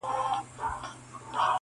دا مورچل- مورچل پکتيا او دا شېر برېتي-